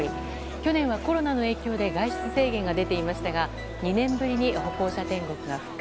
去年はコロナの影響で外出制限が出ていましたが２年ぶりに歩行者天国が復活。